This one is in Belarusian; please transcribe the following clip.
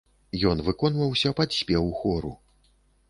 Ён выконваўся пад спеў хору.